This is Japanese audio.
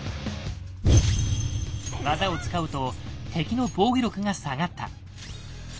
技を使うと敵の防御力が下がった。